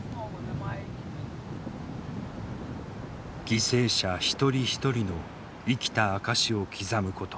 犠牲者一人一人の生きた証しを刻むこと。